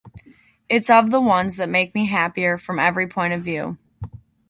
It’s of the ones that make me happier, from every point of view.